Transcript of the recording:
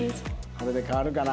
これで変わるかな？